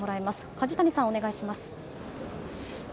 梶谷さん、お願いします。